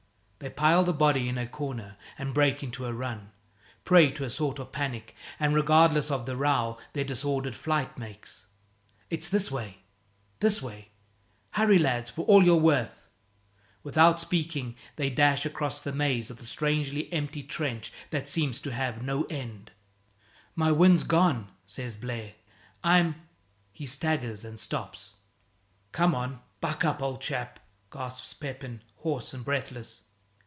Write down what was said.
They pile the body in a corner and break into a run, prey to a sort of panic, and regardless of the row their disordered flight makes. "It's this way! This way! Hurry, lads for all you're worth!" Without speaking they dash across the maze of the strangely empty trench that seems to have no end. "My wind's gone," says Blaire, "I'm " He staggers and stops. "Come on, buck up, old chap," gasps Pepin, hoarse and breathless.